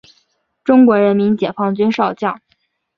中国人民解放军少将。